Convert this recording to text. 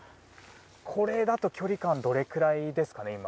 これだと距離感はどれくらいですかね、今。